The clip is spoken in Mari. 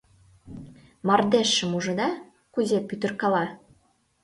— Мардежшым ужыда, кузе пӱтыркала.